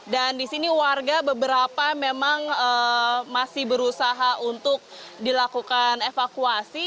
dan di sini warga beberapa memang masih berusaha untuk dilakukan evakuasi